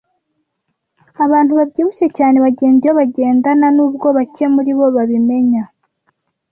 Abantu babyibushye cyane bagenda iyo bagenda, nubwo bake muribo babimenya.